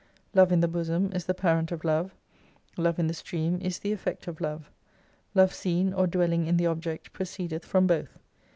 Love in the bosom is the parent of Love, Love in the stream is the effect of Love, Love seen, or dwelling in the object proceedeth from both.